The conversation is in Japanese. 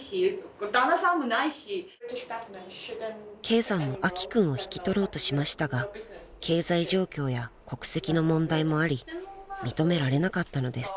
［ケイさんも明希君を引き取ろうとしましたが経済状況や国籍の問題もあり認められなかったのです］